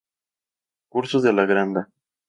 Cursos de la Granda.